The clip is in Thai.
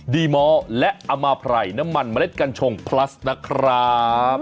ดีมอลและอมาไพรน้ำมันเมล็ดกัญชงพลัสนะครับ